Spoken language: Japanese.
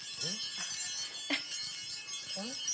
あれ？